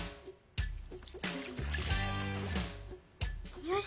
よし。